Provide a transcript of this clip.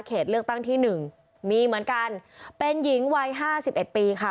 เลือกตั้งที่หนึ่งมีเหมือนกันเป็นหญิงวัยห้าสิบเอ็ดปีค่ะ